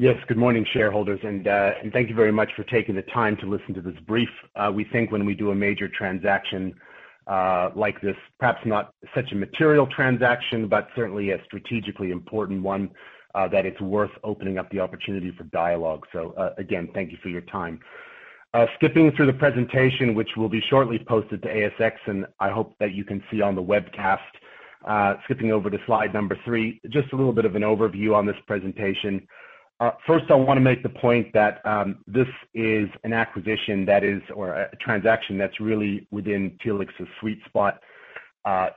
Yes. Good morning, shareholders, and thank you very much for taking the time to listen to this brief. We think when we do a major transaction like this, perhaps not such a material transaction, but certainly a strategically important one, that it's worth opening up the opportunity for dialogue. Again, thank you for your time. Skipping through the presentation, which will be shortly posted to ASX, and I hope that you can see on the webcast, skipping over to slide number 3, just a little bit of an overview on this presentation. First, I want to make the point that this is an acquisition, or a transaction, that's really within Telix's sweet spot.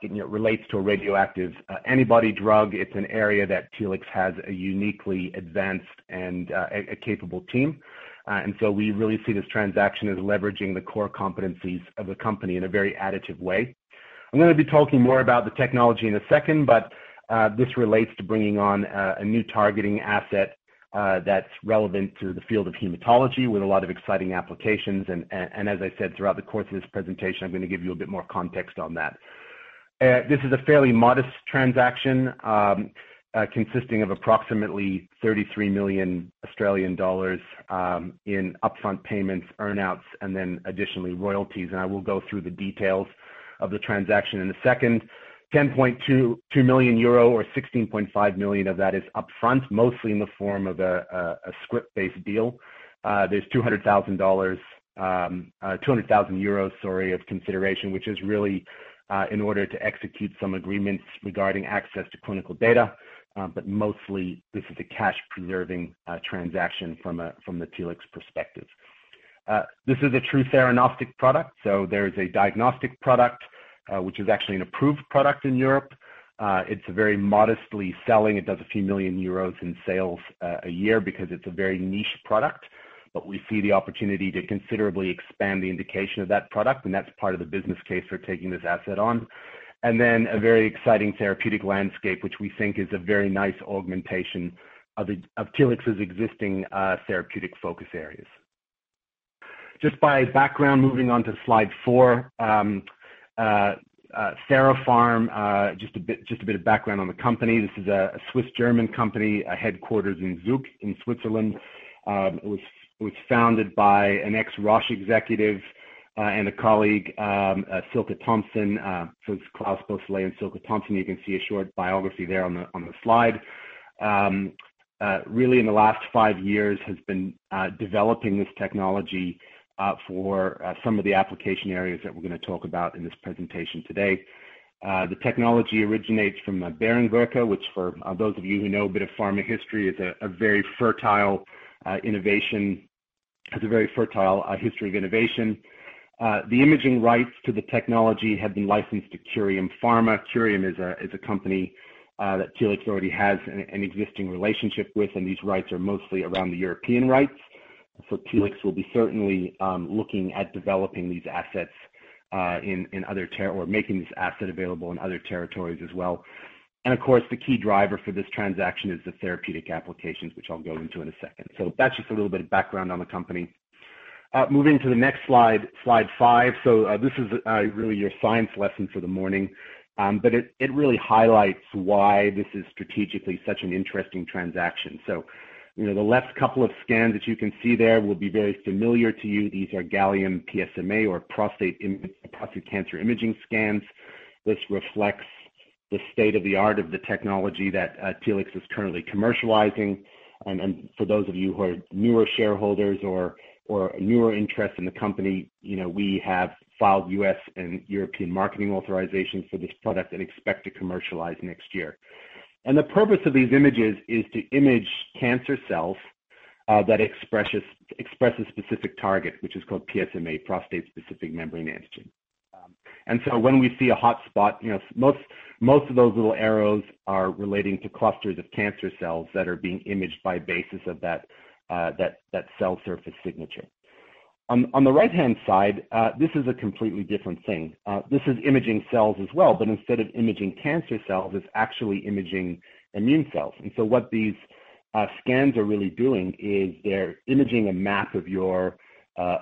It relates to a radioactive antibody drug. It's an area that Telix has a uniquely advanced and a capable team. We really see this transaction as leveraging the core competencies of the company in a very additive way. I'm going to be talking more about the technology in a second, this relates to bringing on a new targeting asset that's relevant to the field of hematology with a lot of exciting applications. As I said, throughout the course of this presentation, I'm going to give you a bit more context on that. This is a fairly modest transaction, consisting of approximately 33 million Australian dollars in upfront payments, earn-outs, and then additionally, royalties. I will go through the details of the transaction in a second. 10.2 million euro or 16.5 million of that is upfront, mostly in the form of a scrip-based deal. There's EUR 200,000, sorry, of consideration, which is really in order to execute some agreements regarding access to clinical data. Mostly this is a cash-preserving transaction from the Telix perspective. This is a true theranostic product. There is a diagnostic product, which is actually an approved product in Europe. It's very modestly selling. It does a few million EUR in sales a year because it's a very niche product, but we see the opportunity to considerably expand the indication of that product, and that's part of the business case for taking this asset on. A very exciting therapeutic landscape, which we think is a very nice augmentation of Telix's existing therapeutic focus areas. Just by background, moving on to slide four. TheraPharm, just a bit of background on the company. This is a Swiss-German company, headquarters in Zug, in Switzerland. It was founded by an ex-Roche executive, and a colleague, Dr. Silke Thomsen. It's Dr. Klaus Bosslet and Dr. Silke Thomsen. You can see a short biography there on the slide. Really in the last five years, has been developing this technology for some of the application areas that we're going to talk about in this presentation today. The technology originates from Behringwerke, which for those of you who know a bit of pharma history, is a very fertile history of innovation. The imaging rights to the technology have been licensed to Curium Pharma. Curium is a company that Telix already has an existing relationship with. These rights are mostly around the European rights. Telix will be certainly looking at developing these assets or making this asset available in other territories as well. Of course, the key driver for this transaction is the therapeutic applications, which I'll go into in a second. That's just a little bit of background on the company. Moving to the next slide five. This is really your science lesson for the morning. It really highlights why this is strategically such an interesting transaction. The left couple of scans that you can see there will be very familiar to you. These are Gallium PSMA or prostate cancer imaging scans. This reflects the state-of-the-art of the technology that Telix is currently commercializing. For those of you who are newer shareholders or newer interests in the company, we have filed U.S. and European marketing authorizations for this product and expect to commercialize next year. The purpose of these images is to image cancer cells that express a specific target, which is called PSMA, prostate-specific membrane antigen. When we see a hotspot, most of those little arrows are relating to clusters of cancer cells that are being imaged by basis of that cell surface signature. On the right-hand side, this is a completely different thing. This is imaging cells as well, but instead of imaging cancer cells, it's actually imaging immune cells. What these scans are really doing is they're imaging a map of your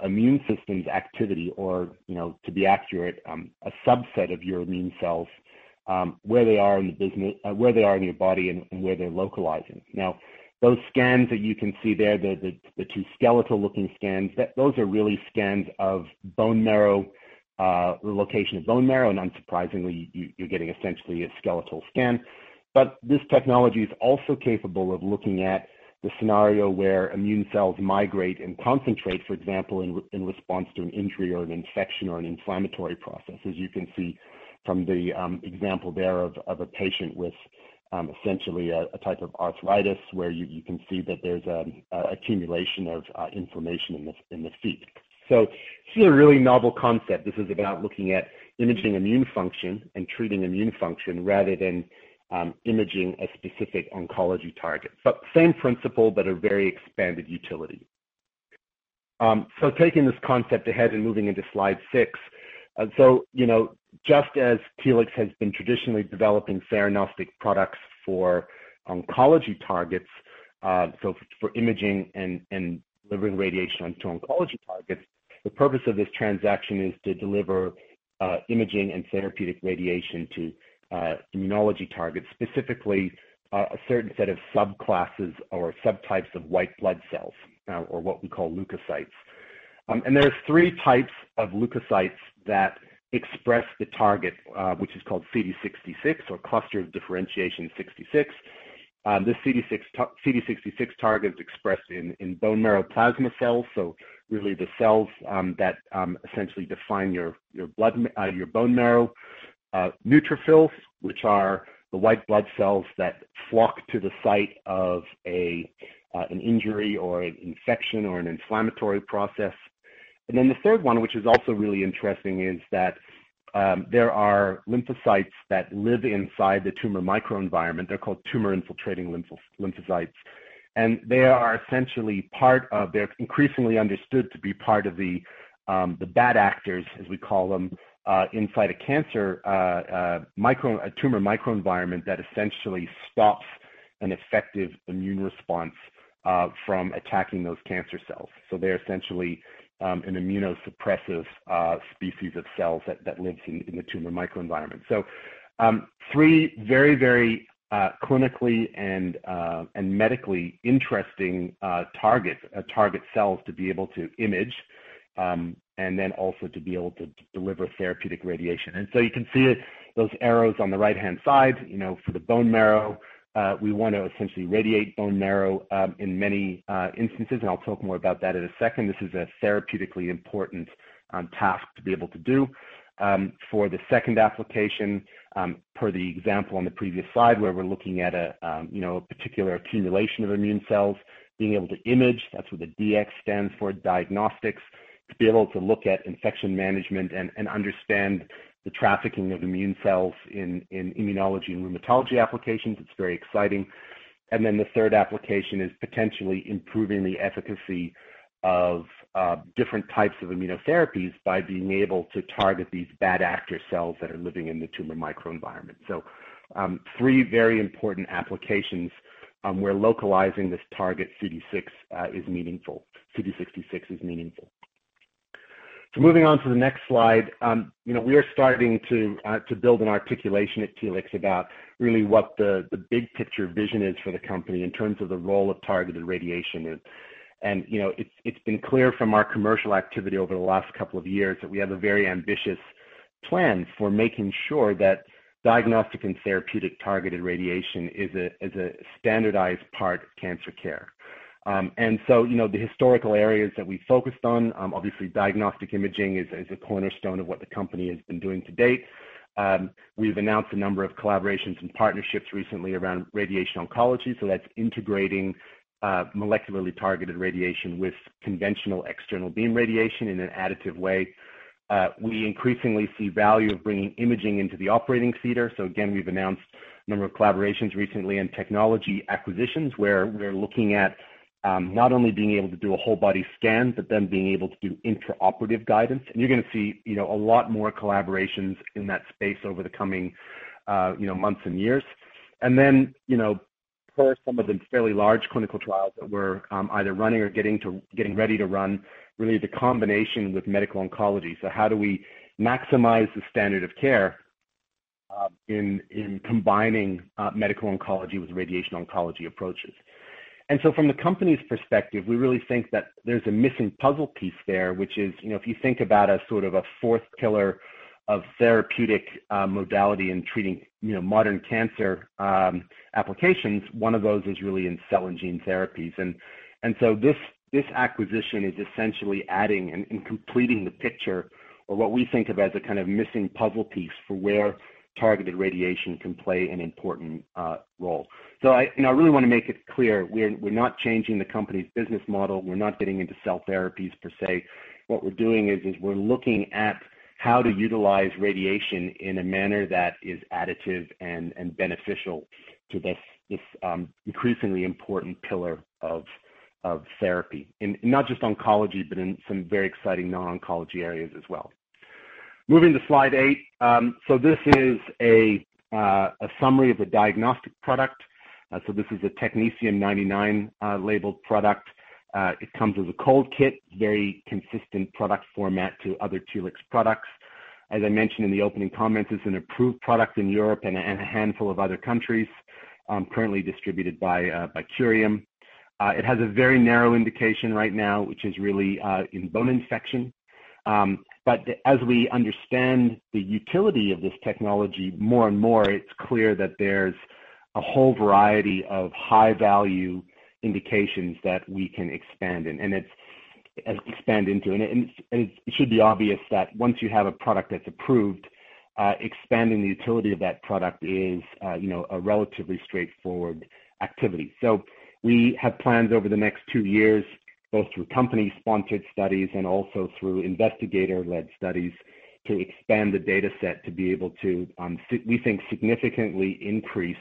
immune system's activity or, to be accurate, a subset of your immune cells, where they are in your body and where they're localizing. Those scans that you can see there, the two skeletal-looking scans, those are really scans of bone marrow, the location of bone marrow, and unsurprisingly, you're getting essentially a skeletal scan. This technology is also capable of looking at the scenario where immune cells migrate and concentrate, for example, in response to an injury or an infection or an inflammatory process, as you can see from the example there of a patient with essentially a type of arthritis, where you can see that there's an accumulation of inflammation in the feet. This is a really novel concept. This is about looking at imaging immune function and treating immune function rather than imaging a specific oncology target. Same principle, but a very expanded utility. Taking this concept ahead and moving into slide six. Just as Telix has been traditionally developing theranostic products for oncology targets, so for imaging and delivering radiation onto oncology targets. The purpose of this transaction is to deliver imaging and therapeutic radiation to immunology targets, specifically, a certain set of subclasses or subtypes of white blood cells, or what we call leukocytes. There are three types of leukocytes that express the target, which is called CD66 or cluster of differentiation 66. This CD66 target is expressed in bone marrow plasma cells, so really the cells that essentially define your bone marrow. Neutrophils, which are the white blood cells that flock to the site of an injury or an infection or an inflammatory process. Then the third one, which is also really interesting, is that there are lymphocytes that live inside the tumor microenvironment. They're called tumor-infiltrating lymphocytes. They're increasingly understood to be part of the bad actors, as we call them, inside a tumor microenvironment that essentially stops an effective immune response from attacking those cancer cells. They're essentially an immunosuppressive species of cells that lives in the tumor microenvironment. Three very clinically and medically interesting target cells to be able to image, and then also to be able to deliver therapeutic radiation. You can see those arrows on the right-hand side, for the bone marrow. We want to essentially radiate bone marrow in many instances, and I'll talk more about that in a second. This is a therapeutically important task to be able to do. For the second application, per the example on the previous slide, where we're looking at a particular accumulation of immune cells, being able to image, that's what the DX stands for, diagnostics, to be able to look at infection management and understand the trafficking of immune cells in immunology and rheumatology applications. It's very exciting. The third application is potentially improving the efficacy of different types of immunotherapies by being able to target these bad actor cells that are living in the tumor microenvironment. Three very important applications where localizing this target CD66 is meaningful. Moving on to the next slide. We are starting to build an articulation at Telix about really what the big picture vision is for the company in terms of the role of targeted radiation. It's been clear from our commercial activity over the last couple of years that we have a very ambitious plan for making sure that diagnostic and therapeutic targeted radiation is a standardized part of cancer care. The historical areas that we focused on, obviously diagnostic imaging is a cornerstone of what the company has been doing to date. We've announced a number of collaborations and partnerships recently around radiation oncology, so that's integrating molecularly targeted radiation with conventional external beam radiation in an additive way. We increasingly see value of bringing imaging into the operating theater. Again, we've announced a number of collaborations recently and technology acquisitions where we're looking at not only being able to do a whole body scan, but then being able to do intraoperative guidance. You're going to see a lot more collaborations in that space over the coming months and years. Per some of the fairly large clinical trials that we're either running or getting ready to run, really the combination with medical oncology. How do we maximize the standard of care in combining medical oncology with radiation oncology approaches? From the company's perspective, we really think that there's a missing puzzle piece there, which is, if you think about a sort of a fourth pillar of therapeutic modality in treating modern cancer applications, one of those is really in cell and gene therapies. This acquisition is essentially adding and completing the picture or what we think of as a kind of missing puzzle piece for where targeted radiation can play an important role. I really want to make it clear, we're not changing the company's business model. We're not getting into cell therapies, per se. What we're doing is we're looking at how to utilize radiation in a manner that is additive and beneficial to this increasingly important pillar of therapy, in not just oncology, but in some very exciting non-oncology areas as well. Moving to slide eight. This is a summary of a diagnostic product. This is a technetium-99 labeled product. It comes as a cold kit, very consistent product format to other Telix products. As I mentioned in the opening comments, it's an approved product in Europe and a handful of other countries, currently distributed by Curium. It has a very narrow indication right now, which is really in bone infection. As we understand the utility of this technology more and more, it's clear that there's a whole variety of high-value indications that we can expand into. It should be obvious that once you have a product that's approved, expanding the utility of that product is a relatively straightforward activity. We have plans over the next two years, both through company-sponsored studies and also through investigator-led studies, to expand the data set to be able to, we think, significantly increase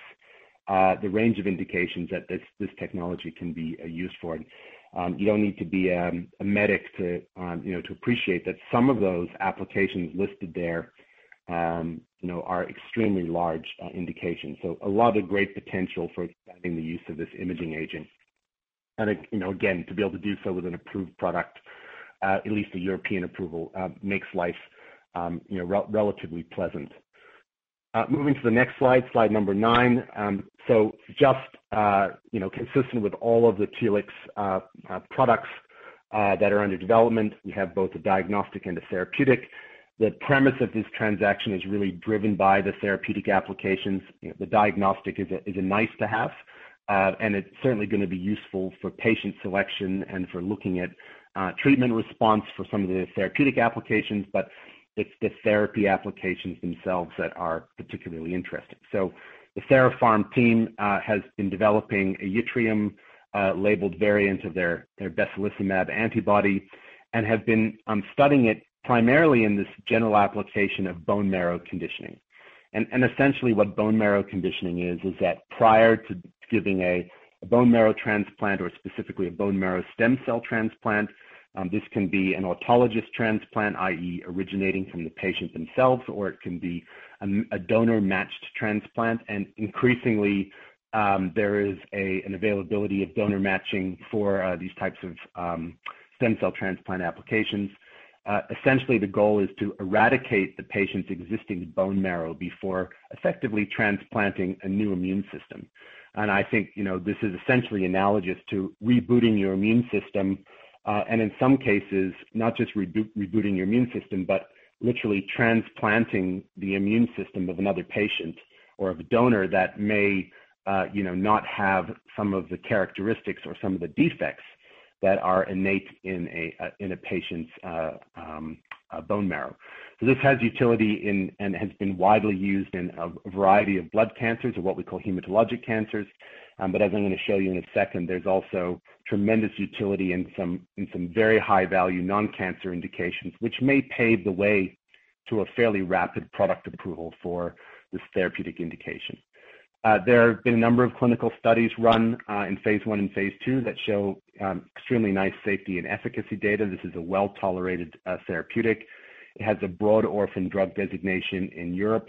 the range of indications that this technology can be used for. You don't need to be a medic to appreciate that some of those applications listed there are extremely large indications. A lot of great potential for expanding the use of this imaging agent. Again, to be able to do so with an approved product, at least a European approval, makes life relatively pleasant. Moving to the next slide number 9. Just consistent with all of the Telix products that are under development, we have both a diagnostic and a therapeutic. The premise of this transaction is really driven by the therapeutic applications. The diagnostic is a nice-to-have, and it's certainly going to be useful for patient selection and for looking at treatment response for some of the therapeutic applications. It's the therapy applications themselves that are particularly interesting. The TheraPharm team has been developing a yttrium-labeled variant of their besilesomab antibody and have been studying it primarily in this general application of bone marrow conditioning. Essentially what bone marrow conditioning is that prior to giving a bone marrow transplant or specifically a bone marrow stem cell transplant, this can be an autologous transplant, i.e., originating from the patient themselves, or it can be a donor-matched transplant. Increasingly, there is an availability of donor matching for these types of stem cell transplant applications. Essentially, the goal is to eradicate the patient's existing bone marrow before effectively transplanting a new immune system. I think, this is essentially analogous to rebooting your immune system. In some cases, not just rebooting your immune system, but literally transplanting the immune system of another patient or of a donor that may not have some of the characteristics or some of the defects that are innate in a patient's bone marrow. This has utility and has been widely used in a variety of blood cancers or what we call hematologic cancers. As I'm going to show you in a second, there's also tremendous utility in some very high-value non-cancer indications, which may pave the way to a fairly rapid product approval for this therapeutic indication. There have been a number of clinical studies run in phase I and phase II that show extremely nice safety and efficacy data. This is a well-tolerated therapeutic. It has a broad orphan drug designation in Europe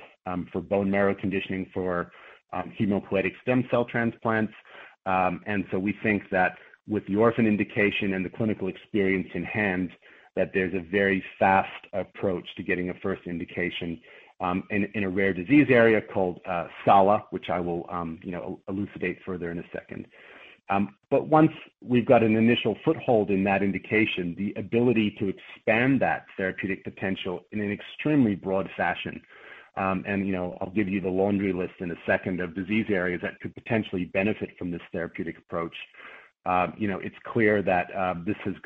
for bone marrow conditioning for hematopoietic stem cell transplants. We think that with the orphan indication and the clinical experience in hand, that there's a very fast approach to getting a first indication in a rare disease area called SALA, which I will elucidate further in a second. Once we've got an initial foothold in that indication, the ability to expand that therapeutic potential in an extremely broad fashion, I'll give you the laundry list in a second of disease areas that could potentially benefit from this therapeutic approach. It's clear that this is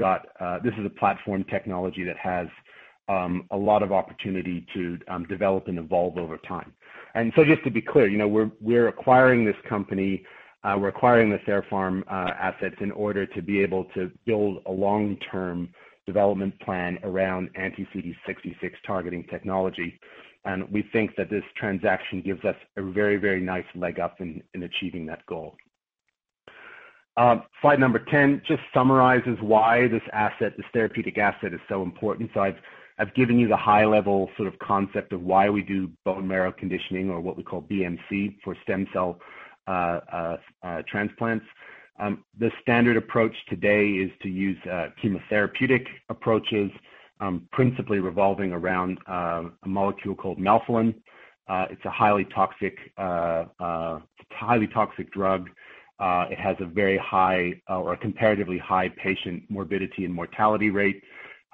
a platform technology that has a lot of opportunity to develop and evolve over time. Just to be clear, we're acquiring this company, we're acquiring the TheraPharm assets in order to be able to build a long-term development plan around anti-CD66 targeting technology. We think that this transaction gives us a very nice leg up in achieving that goal. Slide number 10 just summarizes why this therapeutic asset is so important. I've given you the high-level sort of concept of why we do bone marrow conditioning, or what we call BMC for stem cell transplants. The standard approach today is to use chemotherapeutic approaches, principally revolving around a molecule called melphalan. It's a highly toxic drug. It has a very high or a comparatively high patient morbidity and mortality rate.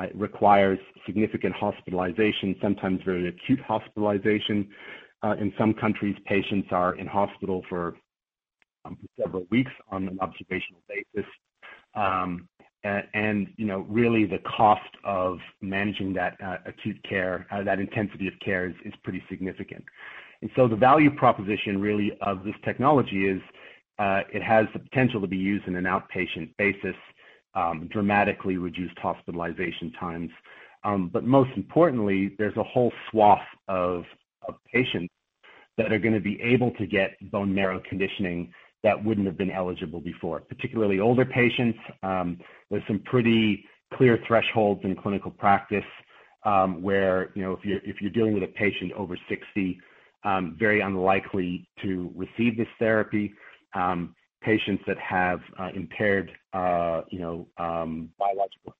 It requires significant hospitalization, sometimes very acute hospitalization. In some countries, patients are in hospital for several weeks on an observational basis. Really the cost of managing that acute care, that intensity of care is pretty significant. The value proposition really of this technology is it has the potential to be used in an outpatient basis, dramatically reduced hospitalization times. Most importantly, there's a whole swath of patients that are going to be able to get bone marrow conditioning that wouldn't have been eligible before, particularly older patients. There's some pretty clear thresholds in clinical practice, where if you're dealing with a patient over 60, very unlikely to receive this therapy. Patients that have impaired biological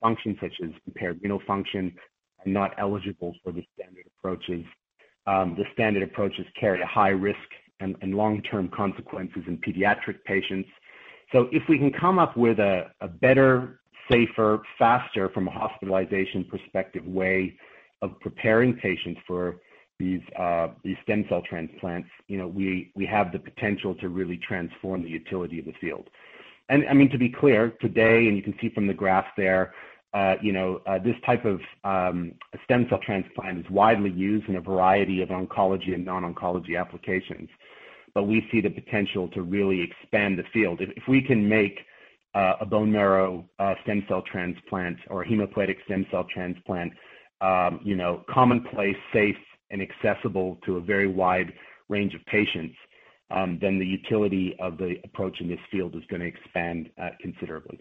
functions, such as impaired renal function, are not eligible for the standard approaches. The standard approaches carry a high risk and long-term consequences in pediatric patients. If we can come up with a better, safer, faster from a hospitalization perspective way of preparing patients for these stem cell transplants, we have the potential to really transform the utility of the field. I mean to be clear today, and you can see from the graph there, this type of stem cell transplant is widely used in a variety of oncology and non-oncology applications. We see the potential to really expand the field. If we can make a bone marrow stem cell transplant or a hematopoietic stem cell transplant commonplace, safe, and accessible to a very wide range of patients, then the utility of the approach in this field is going to expand considerably.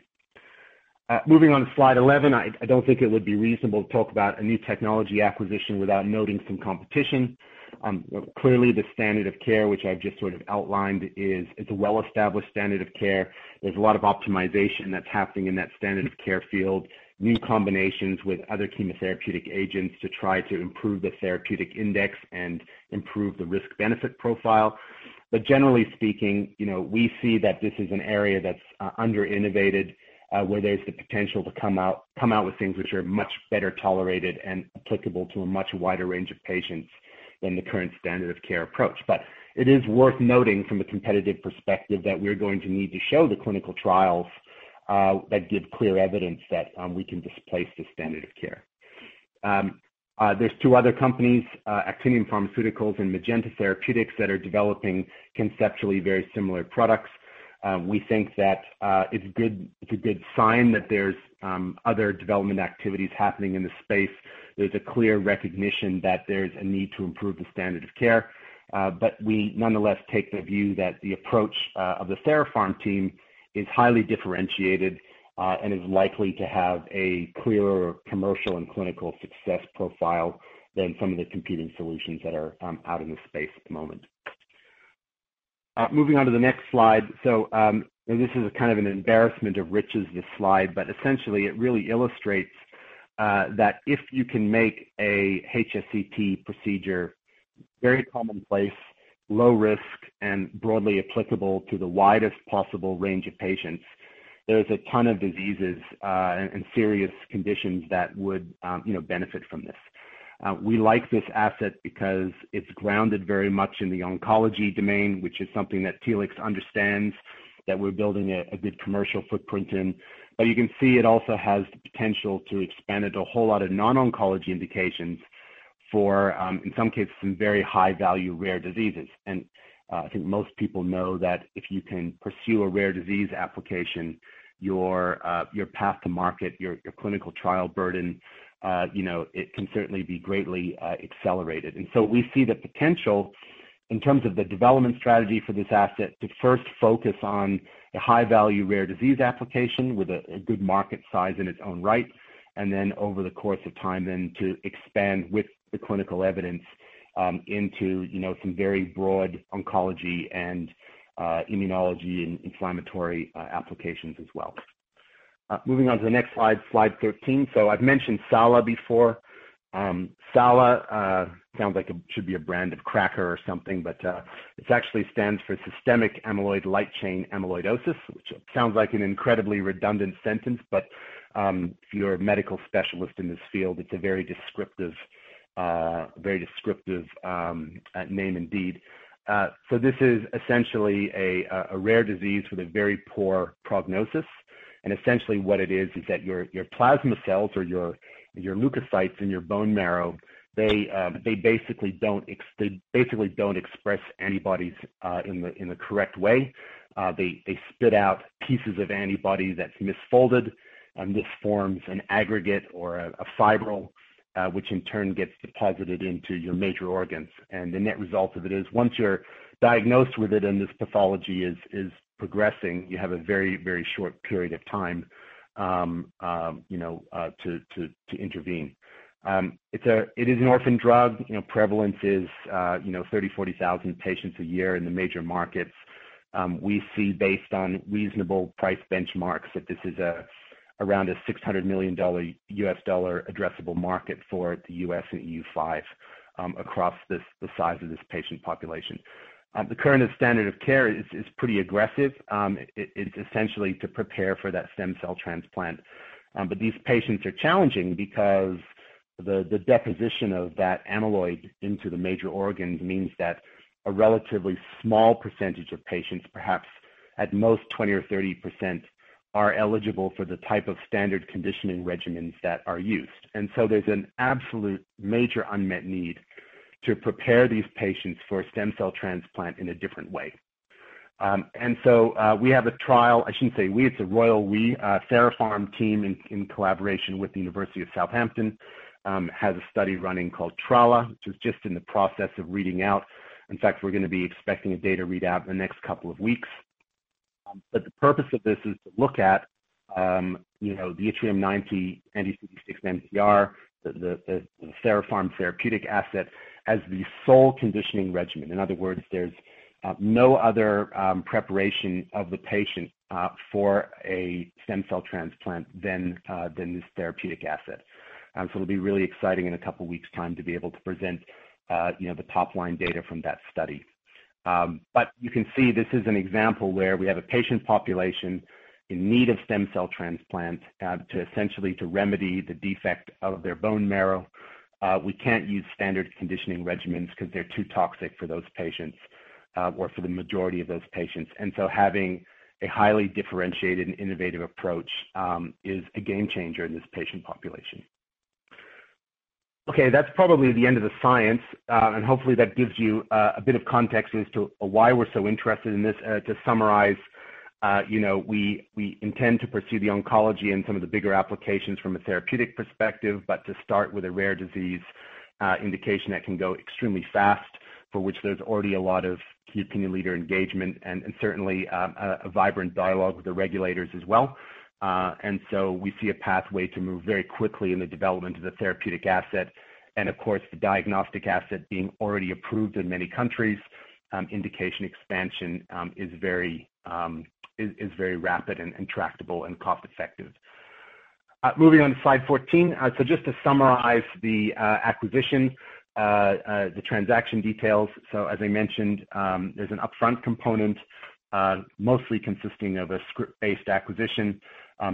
Moving on to slide 11, I don't think it would be reasonable to talk about a new technology acquisition without noting some competition. Clearly, the standard of care, which I've just outlined, is a well-established standard of care. There's a lot of optimization that's happening in that standard of care field, new combinations with other chemotherapeutic agents to try to improve the therapeutic index and improve the risk-benefit profile. Generally speaking, we see that this is an area that's under-innovated, where there's the potential to come out with things which are much better tolerated and applicable to a much wider range of patients than the current standard of care approach. It is worth noting from a competitive perspective that we're going to need to show the clinical trials that give clear evidence that we can displace the standard of care. There's two other companies, Actinium Pharmaceuticals and Magenta Therapeutics, that are developing conceptually very similar products. We think that it's a good sign that there's other development activities happening in the space. There's a clear recognition that there's a need to improve the standard of care. We nonetheless take the view that the approach of the TheraPharm team is highly differentiated and is likely to have a clearer commercial and clinical success profile than some of the competing solutions that are out in the space at the moment. Moving on to the next slide. This is an embarrassment of riches, this slide. Essentially it really illustrates that if you can make a HSCT procedure very commonplace, low risk, and broadly applicable to the widest possible range of patients, there's a ton of diseases and serious conditions that would benefit from this. We like this asset because it's grounded very much in the oncology domain, which is something that Telix understands, that we're building a good commercial footprint in. You can see it also has the potential to expand into a whole lot of non-oncology indications for, in some cases, some very high-value rare diseases. I think most people know that if you can pursue a rare disease application, your path to market, your clinical trial burden, it can certainly be greatly accelerated. We see the potential in terms of the development strategy for this asset to first focus on a high-value rare disease application with a good market size in its own right, then over the course of time, then to expand with the clinical evidence into some very broad oncology and immunology and inflammatory applications as well. Moving on to the next slide 13. I've mentioned SALA before. SALA sounds like it should be a brand of cracker or something, but it actually stands for systemic light chain (AL) amyloidosis, which sounds like an incredibly redundant sentence, but if you're a medical specialist in this field, it's a very descriptive name indeed. This is essentially a rare disease with a very poor prognosis, and essentially what it is is that your plasma cells or your leukocytes in your bone marrow, they basically don't express antibodies in the correct way. They spit out pieces of antibody that's misfolded, and this forms an aggregate or a fibril, which in turn gets deposited into your major organs. The net result of it is, once you're diagnosed with it and this pathology is progressing, you have a very short period of time to intervene. It is an orphan drug. Prevalence is 30,000, 40,000 patients a year in the major markets. We see, based on reasonable price benchmarks, that this is around a $600 million U.S. dollar addressable market for the U.S. and EU5 across the size of this patient population. The current standard of care is pretty aggressive. It's essentially to prepare for that stem cell transplant. These patients are challenging because the deposition of that amyloid into the major organs means that a relatively small percentage of patients, perhaps at most 20% or 30%, are eligible for the type of standard conditioning regimens that are used. There's an absolute major unmet need to prepare these patients for a stem cell transplant in a different way. We have a trial, I shouldn't say we, it's a royal we, TheraPharm team, in collaboration with the University of Southampton, has a study running called TRALA, which is just in the process of reading out. In fact, we're going to be expecting a data readout in the next couple of weeks. The purpose of this is to look at the Yttrium-90, anti-CD66 MTR, the TheraPharm therapeutic asset, as the sole conditioning regimen. In other words, there's no other preparation of the patient for a stem cell transplant than this therapeutic asset. It'll be really exciting in a couple of weeks' time to be able to present the top-line data from that study. You can see this is an example where we have a patient population in need of stem cell transplant to essentially remedy the defect of their bone marrow. We can't use standard conditioning regimens because they're too toxic for those patients or for the majority of those patients. Having a highly differentiated and innovative approach is a game changer in this patient population. Okay, that's probably the end of the science. Hopefully that gives you a bit of context as to why we're so interested in this. To summarize, we intend to pursue the oncology and some of the bigger applications from a therapeutic perspective, but to start with a rare disease indication that can go extremely fast. For which there's already a lot of key opinion leader engagement and certainly a vibrant dialogue with the regulators as well. We see a pathway to move very quickly in the development of the therapeutic asset. Of course, the diagnostic asset being already approved in many countries, indication expansion is very rapid and tractable and cost-effective. Moving on to slide 14. Just to summarize the acquisition, the transaction details. As I mentioned, there's an upfront component, mostly consisting of a scrip-based acquisition,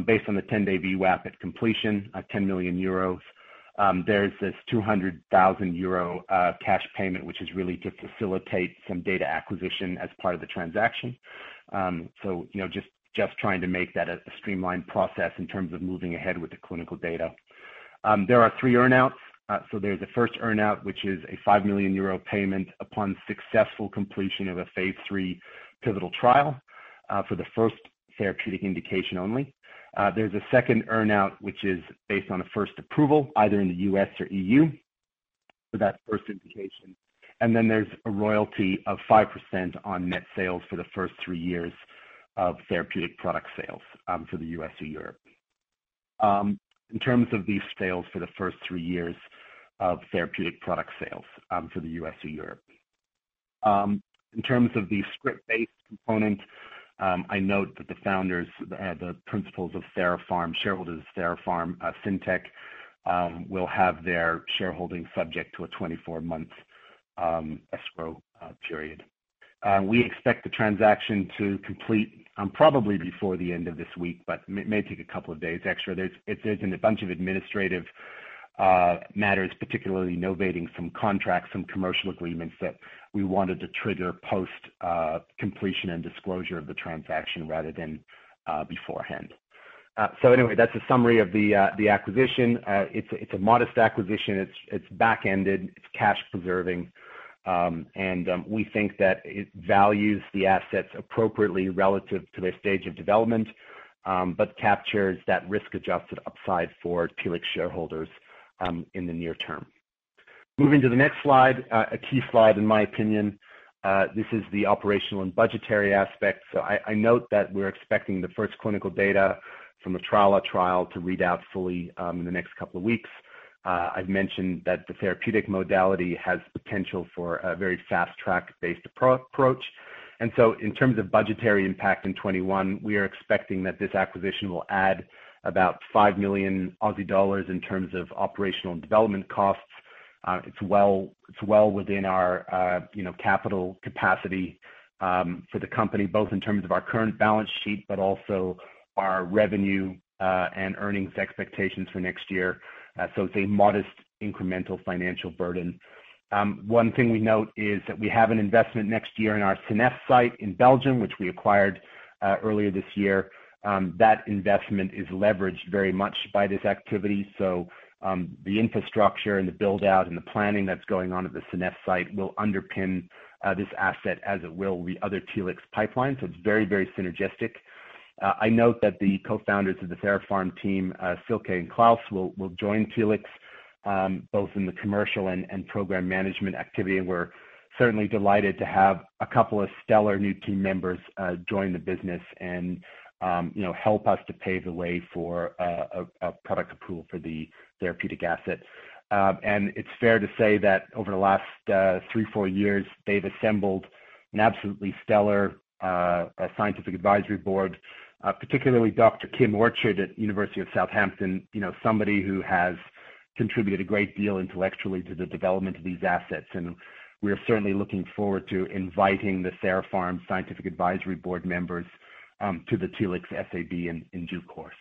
based on the 10-day VWAP at completion of 10 million euros. There's this 200,000 euro cash payment, which is really to facilitate some data acquisition as part of the transaction. Just trying to make that a streamlined process in terms of moving ahead with the clinical data. There are three earn-outs. There's a first earn-out, which is a 5 million euro payment upon successful completion of a phase III pivotal trial for the first therapeutic indication only. There's a second earn-out, which is based on a first approval, either in the U.S. or EU for that first indication. Then there's a royalty of 5% on net sales for the first three years of therapeutic product sales for the U.S. or Europe. In terms of the script-based component, I note that the founders, the principals of TheraPharm, shareholders of TheraPharm, Scintec, will have their shareholding subject to a 24-month escrow period. We expect the transaction to complete probably before the end of this week, but it may take a couple of days extra. There's been a bunch of administrative matters, particularly novating some contracts, some commercial agreements that we wanted to trigger post-completion and disclosure of the transaction rather than beforehand. Anyway, that's a summary of the acquisition. It's a modest acquisition. It's back-ended, it's cash preserving. We think that it values the assets appropriately relative to their stage of development, but captures that risk-adjusted upside for Telix shareholders in the near term. Moving to the next slide, a key slide in my opinion. This is the operational and budgetary aspect. I note that we're expecting the first clinical data from the TRALA trial to read out fully in the next couple of weeks. I've mentioned that the therapeutic modality has potential for a very fast-track-based approach. In terms of budgetary impact in 2021, we are expecting that this acquisition will add about 5 million Aussie dollars in terms of operational and development costs. It's well within our capital capacity for the company, both in terms of our current balance sheet, but also our revenue and earnings expectations for next year. It's a modest incremental financial burden. One thing we note is that we have an investment next year in our Seneffe site in Belgium, which we acquired earlier this year. That investment is leveraged very much by this activity. The infrastructure and the build-out and the planning that's going on at the Seneffe site will underpin this asset as it will the other Telix pipeline. It's very, very synergistic. I note that the co-founders of the TheraPharm team, Silke and Klaus, will join Telix, both in the commercial and program management activity, and we're certainly delighted to have a couple of stellar new team members join the business and help us to pave the way for a product approval for the therapeutic asset. It's fair to say that over the last three, four years, they've assembled an absolutely stellar scientific advisory board, particularly Dr. Kim Orchard at University of Southampton, somebody who has contributed a great deal intellectually to the development of these assets. We are certainly looking forward to inviting the TheraPharm scientific advisory board members to the Telix SAB in due course.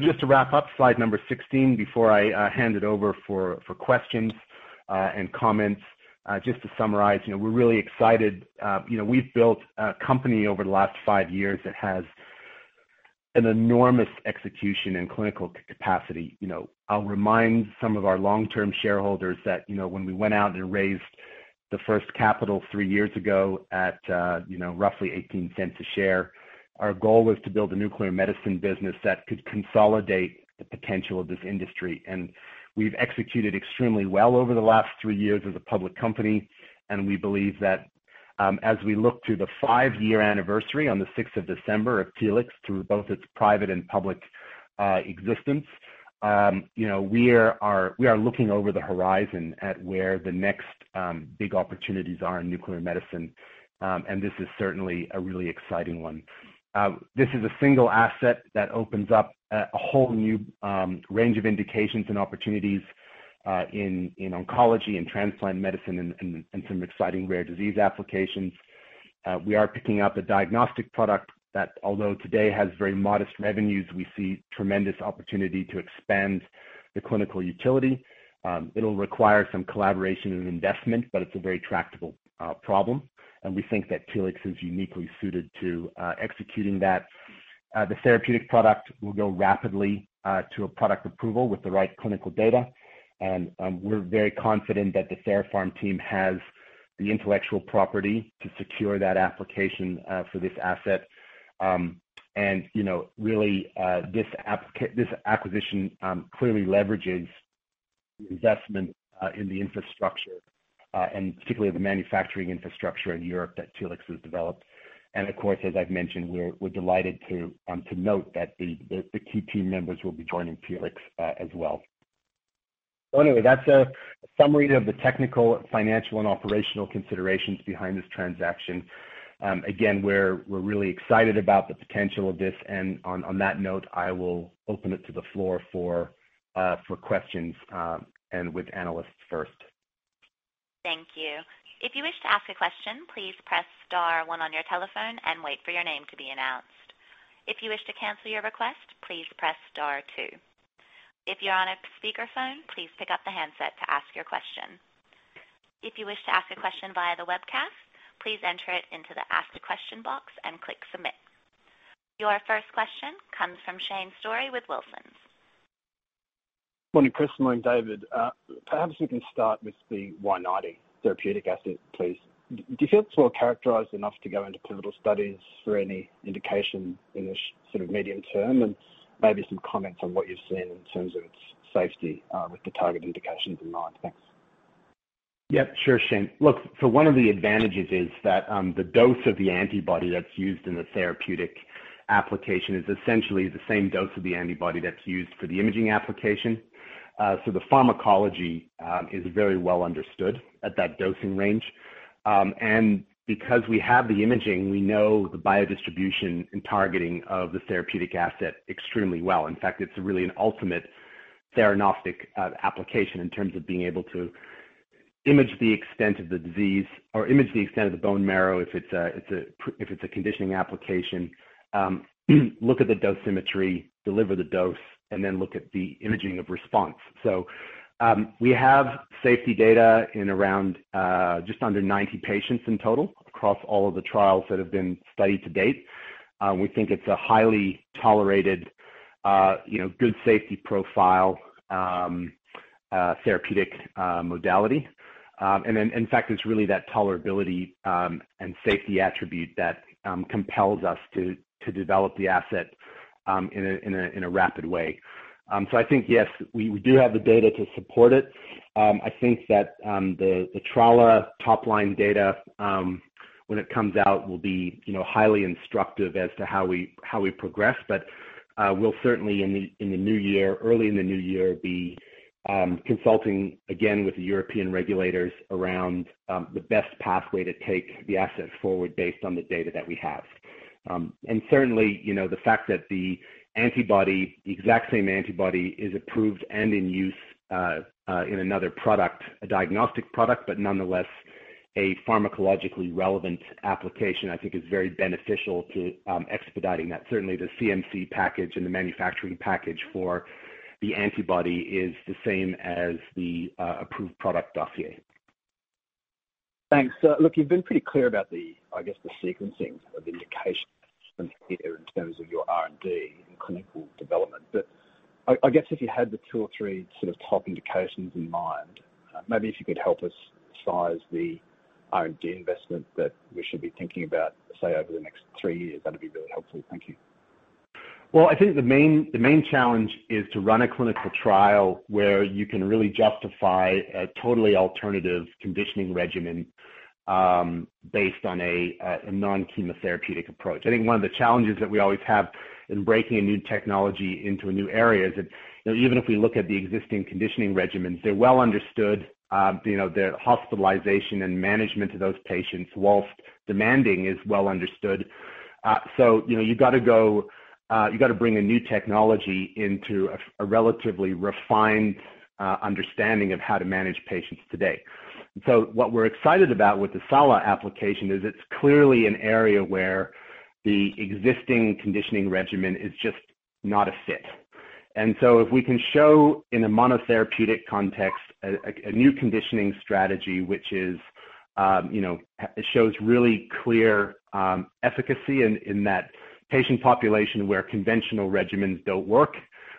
Just to wrap up slide number 16 before I hand it over for questions and comments. Just to summarize, we're really excited. We've built a company over the last five years that has an enormous execution and clinical capacity. I'll remind some of our long-term shareholders that when we went out and raised the first capital three years ago at roughly 0.18 a share, our goal was to build a nuclear medicine business that could consolidate the potential of this industry. We've executed extremely well over the last three years as a public company, and we believe that as we look to the five-year anniversary on the 6th of December of Telix, through both its private and public existence, we are looking over the horizon at where the next big opportunities are in nuclear medicine. This is certainly a really exciting one. This is a single asset that opens up a whole new range of indications and opportunities in oncology and transplant medicine and some exciting rare disease applications. We are picking up a diagnostic product that, although today has very modest revenues, we see tremendous opportunity to expand the clinical utility. It'll require some collaboration and investment, but it's a very tractable problem, and we think that Telix is uniquely suited to executing that. The therapeutic product will go rapidly to a product approval with the right clinical data, and we're very confident that the TheraPharm team has the intellectual property to secure that application for this asset. Really, this acquisition clearly leverages the investment in the infrastructure and particularly the manufacturing infrastructure in Europe that Telix has developed. Of course, as I've mentioned, we're delighted to note that the key team members will be joining Telix, as well. Anyway, that's a summary of the technical, financial, and operational considerations behind this transaction. Again, we're really excited about the potential of this, and on that note, I will open it to the floor for questions, and with analysts first. Thank you. If you wish to ask a question, please press star one on your telephone and wait for your name to be announced. If you wish to cancel your request, please press star two. If you're on a speakerphone, please pick up the handset to ask your question. If you wish to ask a question via the webcast, please enter it into the Ask a Question box and click Submit. Your first question comes from Shane Storey with Wilsons. Morning, Chris. Morning, David. Perhaps we can start with the Y90 therapeutic asset, please. Do you feel it's well characterized enough to go into pivotal studies for any indication in the medium term? Maybe some comments on what you've seen in terms of its safety with the target indications in mind. Thanks. Yep, sure, Shane. Look, one of the advantages is that the dose of the antibody that's used in the therapeutic application is essentially the same dose of the antibody that's used for the imaging application. The pharmacology is very well understood at that dosing range. Because we have the imaging, we know the biodistribution and targeting of the therapeutic asset extremely well. In fact, it's really an ultimate theranostic application in terms of being able to image the extent of the disease or image the extent of the bone marrow if it's a conditioning application, look at the dosimetry, deliver the dose, and then look at the imaging of response. We have safety data in around just under 90 patients in total across all of the trials that have been studied to date. We think it's a highly tolerated, good safety profile therapeutic modality. In fact, it's really that tolerability and safety attribute that compels us to develop the asset in a rapid way. I think, yes, we do have the data to support it. I think that the TRALA top-line data, when it comes out will be highly instructive as to how we progress. We'll certainly in the new year, early in the new year, be consulting again with the European regulators around the best pathway to take the asset forward based on the data that we have. Certainly, the fact that the antibody, the exact same antibody, is approved and in use in another product, a diagnostic product, but nonetheless a pharmacologically relevant application, I think is very beneficial to expediting that. Certainly, the CMC package and the manufacturing package for the antibody is the same as the approved product dossier. Thanks. Look, you've been pretty clear about the, I guess, the sequencing of indications here in terms of your R&D and clinical development. I guess if you had the two or three sort of top indications in mind, maybe if you could help us size the R&D investment that we should be thinking about, say, over the next three years, that'd be really helpful. Thank you. Well, I think the main challenge is to run a clinical trial where you can really justify a totally alternative conditioning regimen based on a non-chemotherapeutic approach. I think one of the challenges that we always have in breaking a new technology into a new area is that even if we look at the existing conditioning regimens, they are well understood. The hospitalization and management of those patients, whilst demanding, is well understood. You have got to bring a new technology into a relatively refined understanding of how to manage patients today. What we are excited about with the AL amyloidosis application is it is clearly an area where the existing conditioning regimen is just not a fit. If we can show in a monotherapy context a new conditioning strategy, which shows really clear efficacy in that patient population where conventional regimens don't work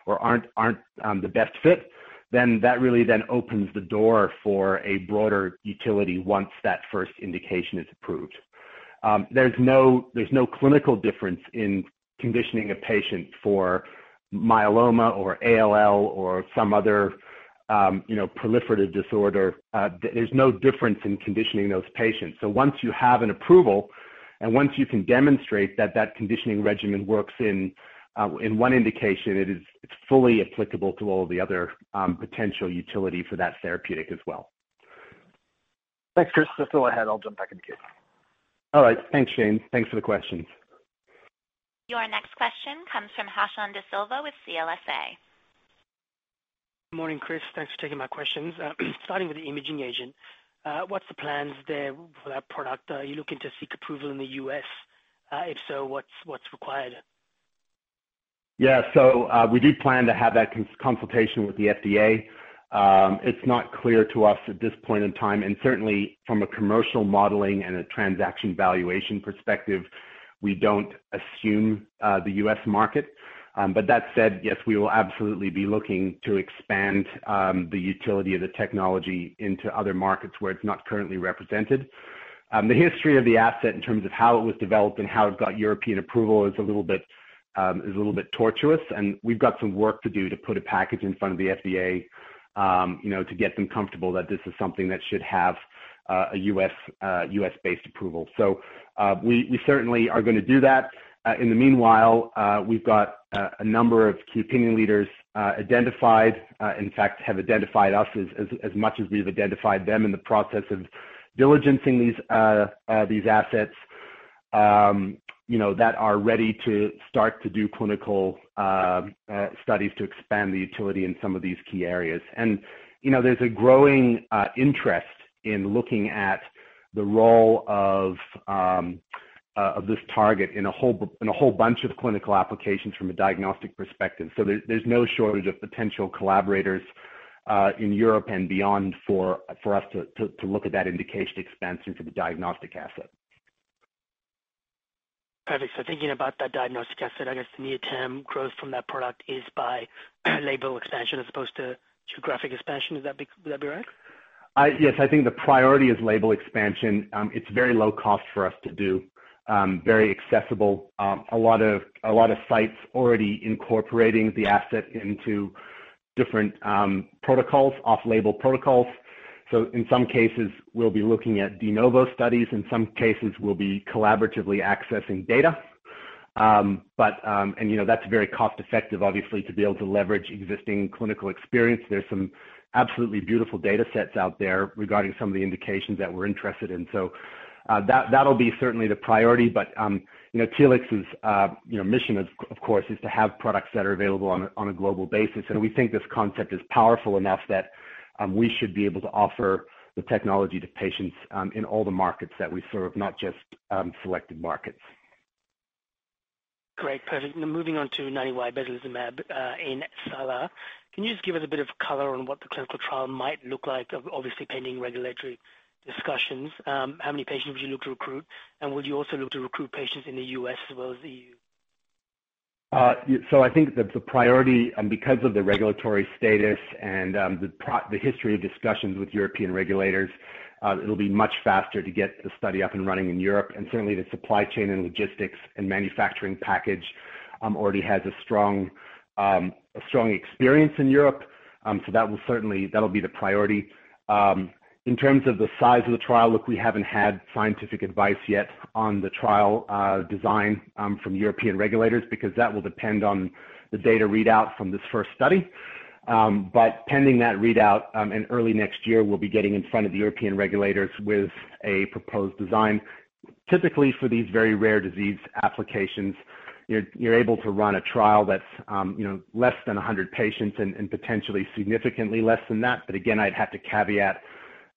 or aren't the best fit, that really then opens the door for a broader utility once that first indication is approved. There's no clinical difference in conditioning a patient for myeloma or ALL or some other proliferative disorder. There's no difference in conditioning those patients. Once you have an approval, and once you can demonstrate that that conditioning regimen works in one indication, it's fully applicable to all the other potential utility for that therapeutic as well. Thanks, Chris. Fair enough. I'll jump back in queue. All right. Thanks, Shane. Thanks for the questions. Your next question comes from Hashan De Silva with CLSA. Morning, Chris. Thanks for taking my questions. Starting with the imaging agent, what's the plans there for that product? Are you looking to seek approval in the U.S.? If so, what's required? Yeah. We do plan to have that consultation with the FDA. It's not clear to us at this point in time, and certainly from a commercial modeling and a transaction valuation perspective, we don't assume the U.S. market. That said, yes, we will absolutely be looking to expand the utility of the technology into other markets where it's not currently represented. The history of the asset in terms of how it was developed and how it got European approval is a little bit tortuous, and we've got some work to do to put a package in front of the FDA, to get them comfortable that this is something that should have a U.S.-based approval. We certainly are going to do that. In the meanwhile, we've got a number of key opinion leaders identified, in fact, have identified us as much as we've identified them in the process of diligencing these assets, that are ready to start to do clinical studies to expand the utility in some of these key areas. There's a growing interest in looking at the role of this target in a whole bunch of clinical applications from a diagnostic perspective. There's no shortage of potential collaborators in Europe and beyond for us to look at that indication expansion for the diagnostic asset. Perfect. Thinking about that diagnostic asset, I guess the near-term growth from that product is by label expansion as opposed to geographic expansion. Would that be right? Yes. I think the priority is label expansion. It's very low cost for us to do, very accessible. A lot of sites already incorporating the asset into different protocols, off-label protocols. In some cases, we'll be looking at de novo studies. In some cases, we'll be collaboratively accessing data. That's very cost-effective, obviously, to be able to leverage existing clinical experience. There's some absolutely beautiful data sets out there regarding some of the indications that we're interested in. That'll be certainly the priority, but Telix's mission, of course, is to have products that are available on a global basis, and we think this concept is powerful enough that we should be able to offer the technology to patients in all the markets that we serve, not just selected markets. Great. Perfect. Moving on to Y90-besilesomab in AL amyloidosis. Can you just give us a bit of color on what the clinical trial might look like, obviously pending regulatory discussions? How many patients would you look to recruit, and would you also look to recruit patients in the U.S. as well as EU? I think that the priority, and because of the regulatory status and the history of discussions with European regulators, it'll be much faster to get the study up and running in Europe. Certainly the supply chain and logistics and manufacturing package already has a strong experience in Europe, so that'll be the priority. In terms of the size of the trial, look, we haven't had scientific advice yet on the trial design from European regulators, because that will depend on the data readout from this first study. Pending that readout, in early next year, we'll be getting in front of the European regulators with a proposed design. Typically, for these very rare disease applications, you're able to run a trial that's less than 100 patients and potentially significantly less than that. Again, I'd have to caveat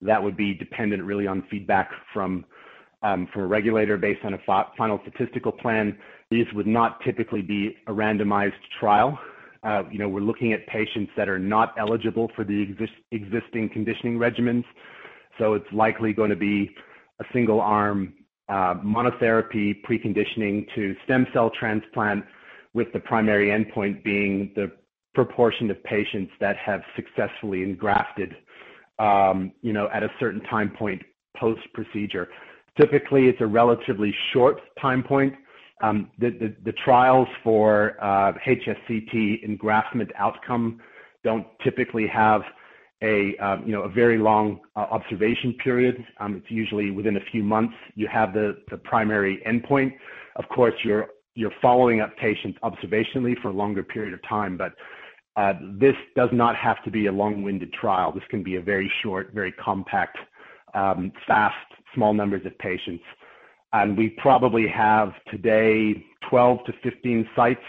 that would be dependent really on feedback from a regulator based on a final statistical plan. These would not typically be a randomized trial. We're looking at patients that are not eligible for the existing conditioning regimens, so it's likely going to be a single arm monotherapy preconditioning to stem cell transplant, with the primary endpoint being the proportion of patients that have successfully engrafted at a certain time point post-procedure. Typically, it's a relatively short time point. The trials for HSCT engraftment outcome don't typically have a very long observation period. It's usually within a few months, you have the primary endpoint. Of course, you're following up patients observationally for a longer period of time. This does not have to be a long-winded trial. This can be a very short, very compact, fast, small numbers of patients. We probably have today 12-15 sites,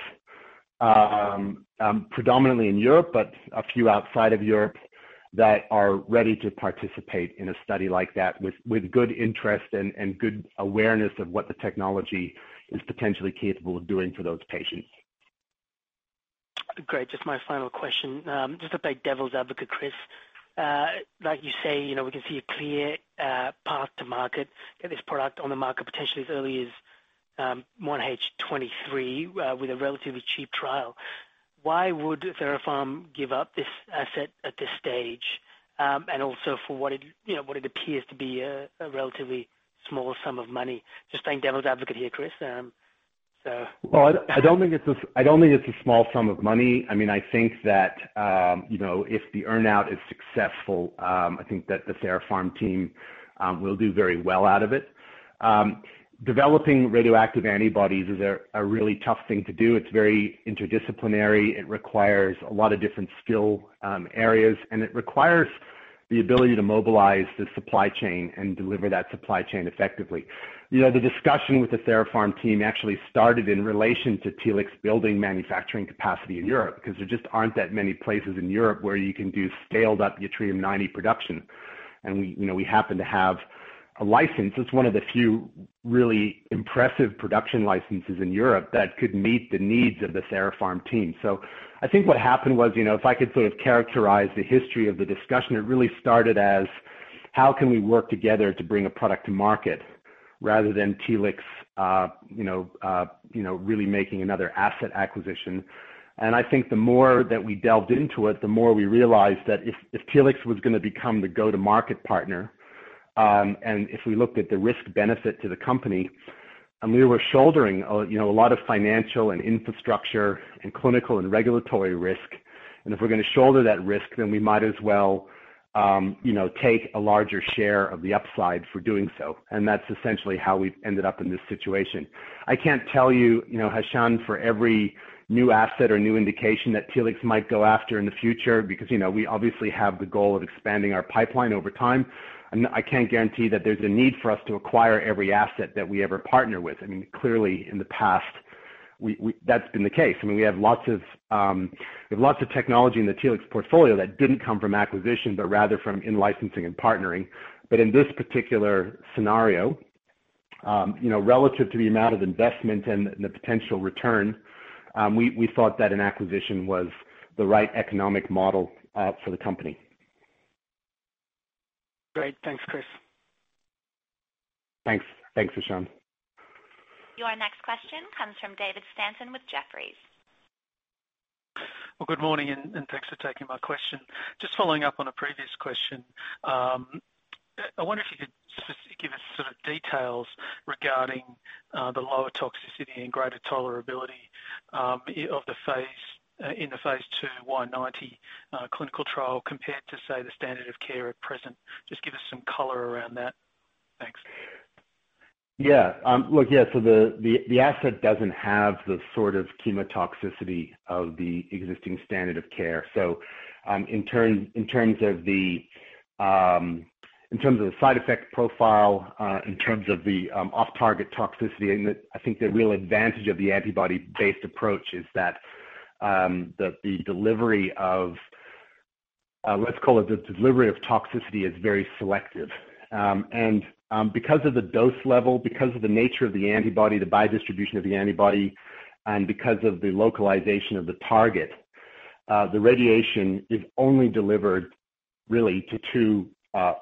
predominantly in Europe, but a few outside of Europe, that are ready to participate in a study like that with good interest and good awareness of what the technology is potentially capable of doing for those patients. Great. Just my final question. Just to play devil's advocate, Chris, like you say, we can see a clear path to market, get this product on the market potentially as early as 1H 2023, with a relatively cheap trial. Why would TheraPharm give up this asset at this stage, and also for what it appears to be a relatively small sum of money? Just playing devil's advocate here, Chris. I don't think it's a small sum of money. I think that if the earn-out is successful, I think that the TheraPharm team will do very well out of it. Developing radioactive antibodies is a really tough thing to do. It's very interdisciplinary. It requires a lot of different skill areas, and it requires the ability to mobilize the supply chain and deliver that supply chain effectively. The discussion with the TheraPharm team actually started in relation to Telix building manufacturing capacity in Europe, because there just aren't that many places in Europe where you can do scaled-up yttrium-90 production, and we happen to have a license. It's one of the few really impressive production licenses in Europe that could meet the needs of the TheraPharm team. I think what happened was, if I could sort of characterize the history of the discussion, it really started as, How can we work together to bring a product to market rather than Telix really making another asset acquisition? I think the more that we delved into it, the more we realized that if Telix was going to become the go-to-market partner, and if we looked at the risk benefit to the company, and we were shouldering a lot of financial and infrastructure and clinical and regulatory risk, and if we're going to shoulder that risk, then we might as well take a larger share of the upside for doing so. That's essentially how we've ended up in this situation. I can't tell you, Hashan, for every new asset or new indication that Telix might go after in the future, because we obviously have the goal of expanding our pipeline over time, and I can't guarantee that there's a need for us to acquire every asset that we ever partner with. Clearly, in the past, that's been the case. We have lots of technology in the Telix portfolio that didn't come from acquisition, but rather from in-licensing and partnering. In this particular scenario, relative to the amount of investment and the potential return, we thought that an acquisition was the right economic model for the company. Great. Thanks, Chris. Thanks, Hashan. Your next question comes from David Stanton with Jefferies. Good morning, thanks for taking my question. Just following up on a previous question. I wonder if you could give us sort of details regarding the lower toxicity and greater tolerability in the phase II Y90 clinical trial compared to, say, the standard of care at present. Just give us some color around that. Thanks. Yeah. The asset doesn't have the sort of chemotoxicity of the existing standard of care. In terms of the side effect profile, in terms of the off-target toxicity, and I think the real advantage of the antibody-based approach is that the delivery of, let's call it the delivery of toxicity is very selective. Because of the dose level, because of the nature of the antibody, the biodistribution of the antibody, and because of the localization of the target, the radiation is only delivered really to two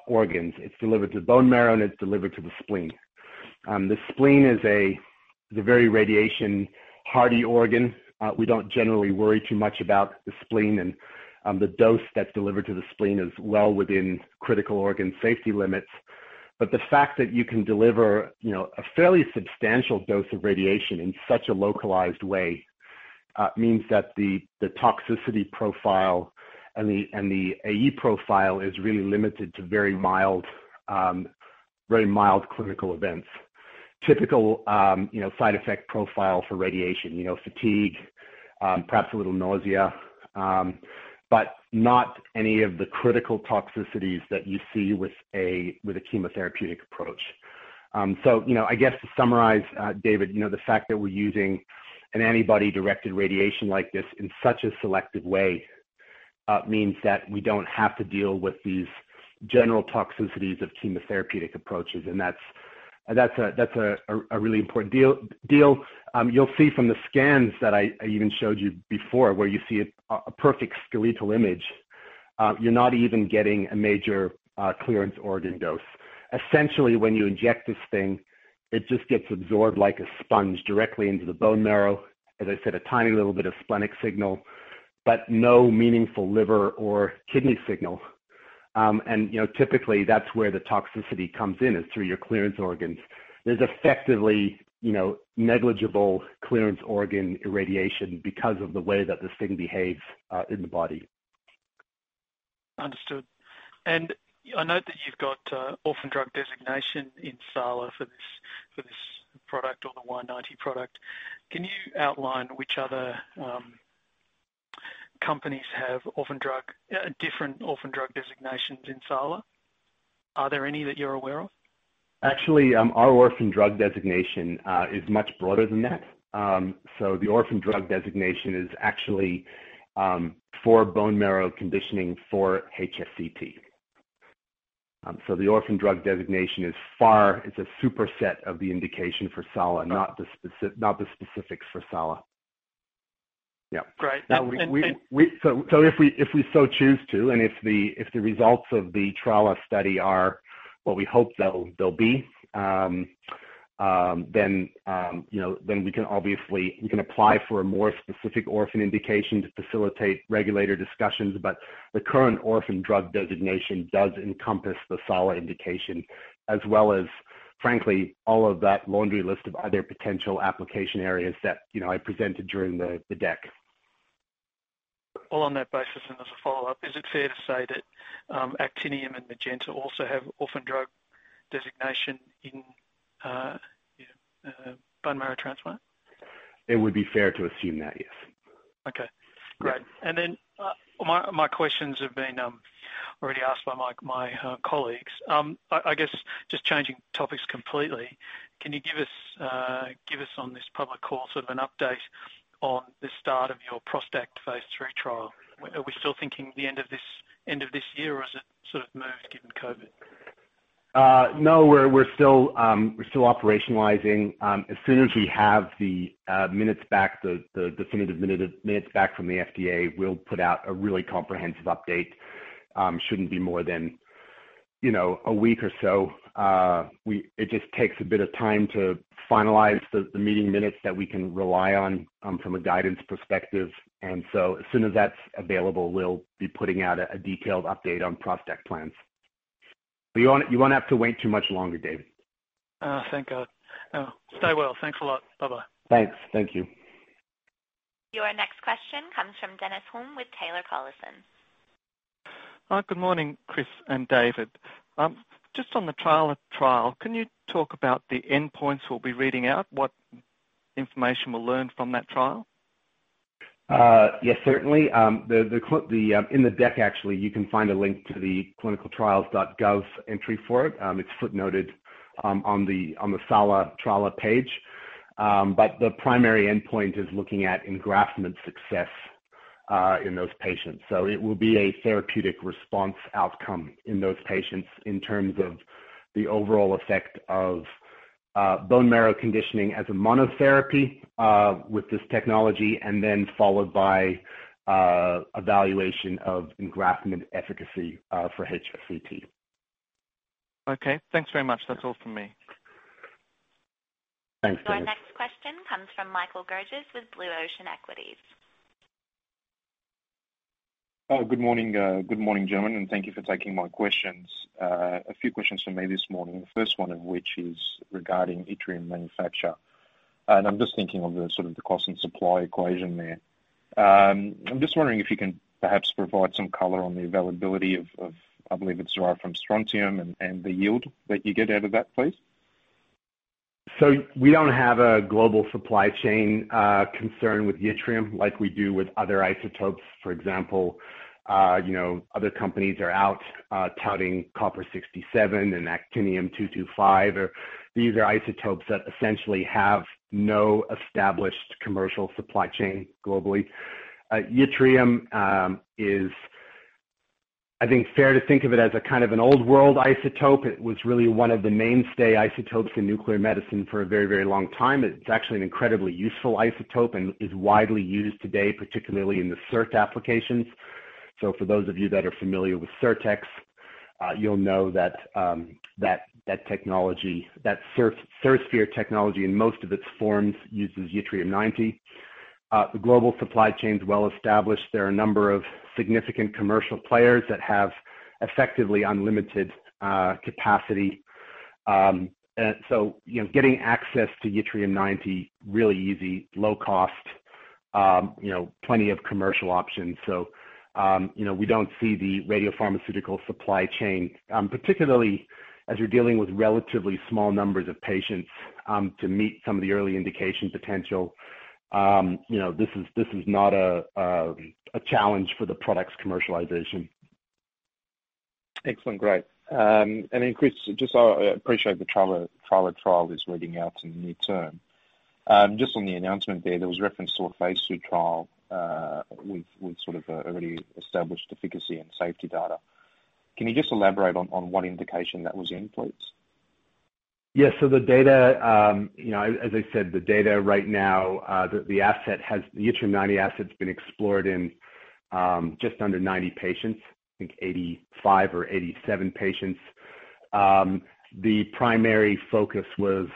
organs. It's delivered to the bone marrow, and it's delivered to the spleen. The spleen is a very radiation-hardy organ. We don't generally worry too much about the spleen and the dose that's delivered to the spleen is well within critical organ safety limits. The fact that you can deliver a fairly substantial dose of radiation in such a localized way means that the toxicity profile and the AE profile is really limited to very mild clinical events. Typical side effect profile for radiation, fatigue, perhaps a little nausea, but not any of the critical toxicities that you see with a chemotherapeutic approach. I guess to summarize, David, the fact that we're using an antibody-directed radiation like this in such a selective way means that we don't have to deal with these general toxicities of chemotherapeutic approaches, and that's a really important deal. You'll see from the scans that I even showed you before, where you see a perfect skeletal image, you're not even getting a major clearance organ dose. Essentially, when you inject this thing, it just gets absorbed like a sponge directly into the bone marrow. As I said, a tiny little bit of splenic signal, but no meaningful liver or kidney signal. Typically, that's where the toxicity comes in, is through your clearance organs. There's effectively negligible clearance organ irradiation because of the way that this thing behaves in the body. Understood. I note that you've got orphan drug designation in AL amyloidosis for this product or the Y90 product. Can you outline which other companies have different orphan drug designations in AL amyloidosis? Are there any that you're aware of? Actually, our orphan drug designation is much broader than that. The orphan drug designation is actually for bone marrow conditioning for HSCT. The orphan drug designation is far, it's a superset of the indication for SALA, not the specifics for SALA. Yeah. Great. If we so choose to, and if the results of the trial study are what we hope they will be, then we can apply for a more specific orphan indication to facilitate regulator discussions. The current orphan drug designation does encompass the SALA indication as well as, frankly, all of that laundry list of other potential application areas that I presented during the deck. On that basis, and as a follow-up, is it fair to say that Actinium and Magenta also have orphan drug designation in bone marrow transplant? It would be fair to assume that, yes. Okay. Great. My questions have been already asked by my colleagues. I guess just changing topics completely, can you give us on this public call, sort of an update on the start of your PROSTACT phase III trial? Are we still thinking the end of this year, or has it sort of moved given COVID? We're still operationalizing. As soon as we have the definitive minutes back from the FDA, we'll put out a really comprehensive update. Shouldn't be more than a week or so. It just takes a bit of time to finalize the meeting minutes that we can rely on from a guidance perspective. As soon as that's available, we'll be putting out a detailed update on PROSTACT plans. You won't have to wait too much longer, David. Thank God. Stay well. Thanks a lot. Bye-bye. Thanks. Thank you. Your next question comes from Dennis Hulme with Taylor Collison. Good morning, Chris and David. Just on the trial, can you talk about the endpoints we'll be reading out, what information we'll learn from that trial? Yes, certainly. In the deck actually, you can find a link to the clinicaltrials.gov entry for it. It's footnoted on the SALA trial page. The primary endpoint is looking at engraftment success in those patients. It will be a therapeutic response outcome in those patients in terms of the overall effect of bone marrow conditioning as a monotherapy, with this technology, and then followed by evaluation of engraftment efficacy for HSCT. Okay. Thanks very much. That's all from me. Thanks, Dennis. Your next question comes from Michael Gerges with Blue Ocean Equities. Good morning, gentlemen, thank you for taking my questions. A few questions from me this morning. The first one of which is regarding yttrium manufacture. I'm just thinking of the sort of the cost and supply equation there. I'm just wondering if you can perhaps provide some color on the availability of, I believe it's derived from strontium, and the yield that you get out of that, please. We don't have a global supply chain concern with yttrium like we do with other isotopes. For example, other companies are out touting copper-67 and actinium-225. These are isotopes that essentially have no established commercial supply chain globally. Yttrium is, I think, fair to think of it as a kind of an old world isotope. It was really one of the mainstay isotopes in nuclear medicine for a very, very long time. It's actually an incredibly useful isotope and is widely used today, particularly in the SIRT applications. For those of you that are familiar with Sirtex, you'll know that technology, that SIR-Sphere technology in most of its forms uses yttrium-90. The global supply chain's well established. There are a number of significant commercial players that have effectively unlimited capacity. Getting access to yttrium-90, really easy, low cost, plenty of commercial options. We don't see the radiopharmaceutical supply chain, particularly as you're dealing with relatively small numbers of patients, to meet some of the early indication potential. This is not a challenge for the product's commercialization. Excellent. Great. Chris, just I appreciate the trial is working out in the near term. Just on the announcement there was reference to a phase II trial, with sort of a already established efficacy and safety data. Can you just elaborate on one indication that was in, please? Yes. The data, as I said, the data right now, the yttrium-90 asset's been explored in just under 90 patients, I think 85 or 87 patients. The primary focus was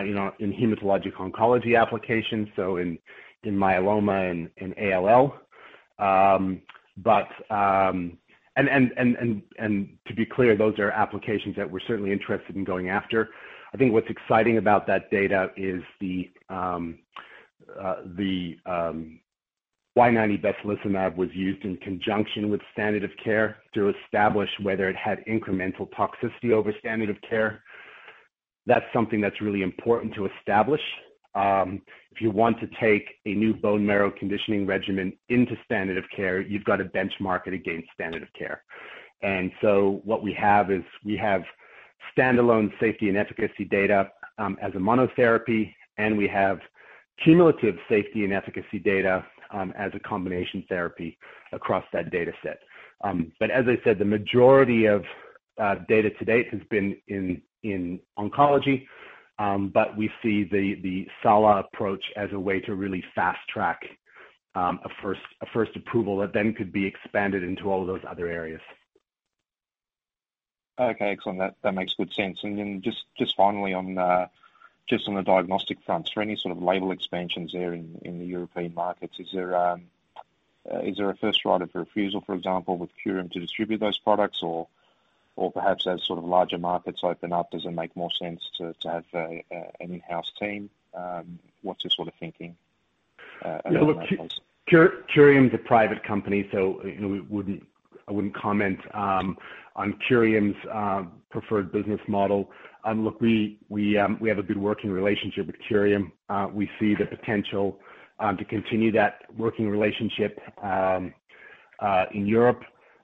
in hematologic oncology applications, so in myeloma and in ALL. To be clear, those are applications that we're certainly interested in going after. I think what's exciting about that data is the Y90 besilesomab was used in conjunction with standard of care to establish whether it had incremental toxicity over standard of care. That's something that's really important to establish. If you want to take a new bone marrow conditioning regimen into standard of care, you've got to benchmark it against standard of care. What we have is, we have standalone safety and efficacy data, as a monotherapy, and we have cumulative safety and efficacy data, as a combination therapy across that data set. As I said, the majority of data to date has been in oncology. We see the SALA approach as a way to really fast-track a first approval that could be expanded into all those other areas. Okay, excellent. That makes good sense. Just finally on the diagnostic front. Any sort of label expansions there in the European markets, is there a first right of refusal, for example, with Curium to distribute those products? Perhaps as sort of larger markets open up, does it make more sense to have an in-house team? What's your sort of thinking around that space? Curium's a private company. I wouldn't comment on Curium's preferred business model. Look, we have a good working relationship with Curium. We see the potential to continue that working relationship in Europe.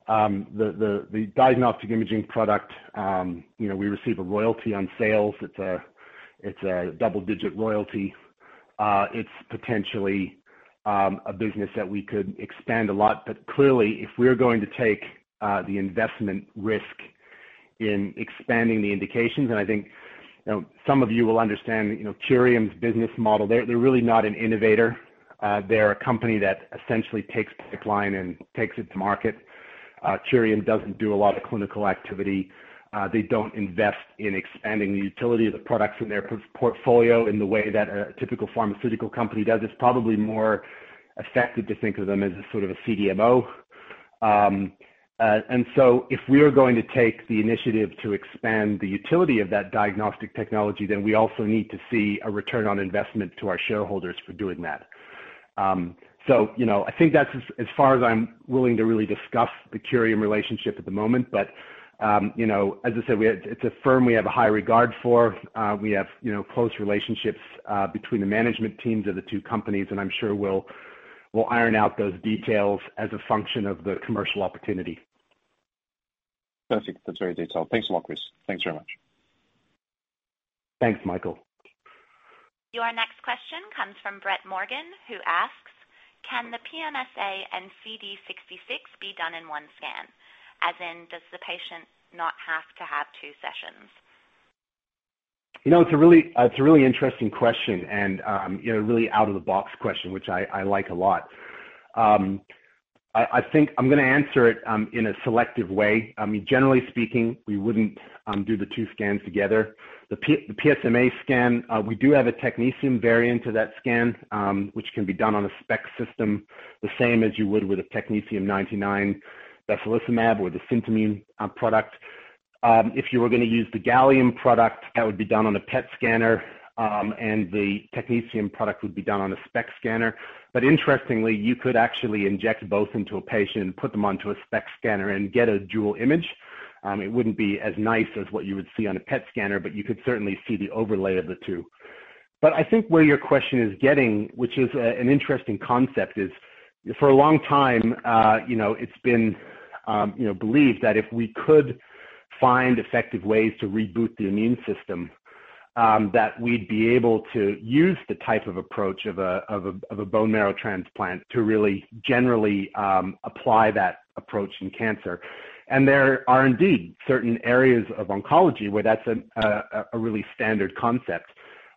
The diagnostic imaging product, we receive a royalty on sales. It's a double-digit royalty. It's potentially a business that we could expand a lot. Clearly, if we're going to take the investment risk in expanding the indications, and I think some of you will understand Curium's business model, they're really not an innovator. They're a company that essentially takes pipeline and takes it to market. Curium doesn't do a lot of clinical activity. They don't invest in expanding the utility of the products in their portfolio in the way that a typical pharmaceutical company does. It's probably more effective to think of them as a sort of a CDMO. If we are going to take the initiative to expand the utility of that diagnostic technology, then we also need to see a return on investment to our shareholders for doing that. I think that's as far as I'm willing to really discuss the Curium relationship at the moment. As I said, it's a firm we have a high regard for. We have close relationships between the management teams of the two companies, and I'm sure we'll iron out those details as a function of the commercial opportunity. Perfect. That's very detailed. Thanks a lot, Chris. Thanks very much. Thanks, Michael. Your next question comes from Brett Morgan, who asks, "Can the PSMA and CD66 be done in one scan? As in, does the patient not have to have two sessions? It's a really interesting question, a really out-of-the-box question, which I like a lot. I think I'm going to answer it in a selective way. I mean, generally speaking, we wouldn't do the two scans together. The PSMA scan, we do have a technetium variant of that scan, which can be done on a SPECT system, the same as you would with a technetium-99m besilesomab or the Scintimun product. If you were going to use the gallium product, that would be done on a PET scanner, the technetium product would be done on a SPECT scanner. Interestingly, you could actually inject both into a patient and put them onto a SPECT scanner and get a dual image. It wouldn't be as nice as what you would see on a PET scanner, you could certainly see the overlay of the two. I think where your question is getting, which is an interesting concept, is for a long time, it's been believed that if we could find effective ways to reboot the immune system, that we'd be able to use the type of approach of a bone marrow transplant to really generally apply that approach in cancer. There are indeed certain areas of oncology where that's a really standard concept.